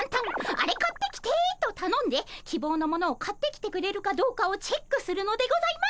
「アレ買ってきて」とたのんできぼうのものを買ってきてくれるかどうかをチェックするのでございます。